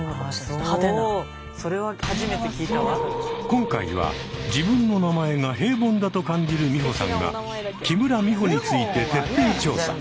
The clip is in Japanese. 今回は自分の名前が平凡だと感じる美穂さんが木村美穂について徹底調査。